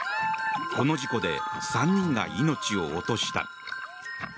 この事故で３人が命を落とした。